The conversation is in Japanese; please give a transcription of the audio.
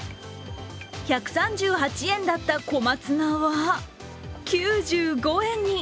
１３８円だった小松菜は、９５円に。